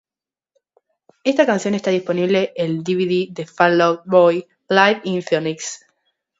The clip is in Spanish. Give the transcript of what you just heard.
Esta canción está disponible el dvd de Fall Out Boy Live In Phoenix.